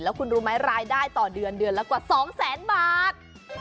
คุณรู้ไหมรายได้ต่อเดือนเดือนละกว่า๒แสนบาท